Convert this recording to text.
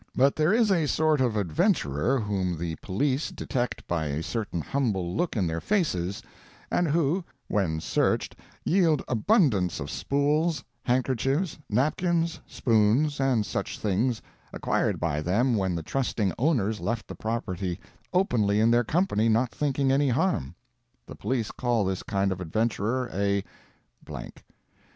But there is a sort of adventurer whom the police detect by a certain humble look in their faces, and who, when searched, yield abundance of spools, handkerchiefs, napkins, spoons, and such things, acquired by them when the trusting owners left the property openly in their company not thinking any harm. The police call this kind of adventurer a _____.